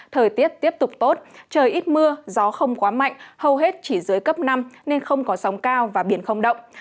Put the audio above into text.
thời tiết tiếp tục tốt trời ít mưa gió không quá mạnh hầu hết chỉ dưới cấp năm nên không có sóng cao và biển không động